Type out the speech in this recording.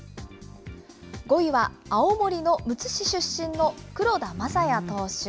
５位は青森のむつ市出身の黒田将矢投手。